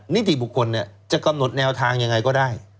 นิติบุคคลจะกำหนดแนวทางยังไงก็ได้